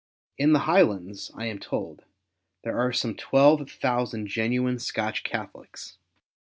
In the Highlands, I am told, there are some twelve thousand genuine Scotch Catholics.